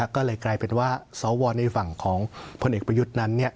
ก็เลยกลายเป็นว่าสวในฝั่งของพลเอกประยุทธ์นั้น